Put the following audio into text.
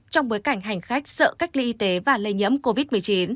trong bối cảnh hành khách sợ cách ly y tế và lây nhẫm covid